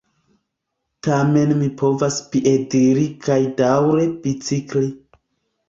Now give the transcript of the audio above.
Tamen mi povas piediri kaj daŭre bicikli.